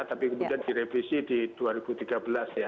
tapi kemudian direvisi di dua ribu tiga belas ya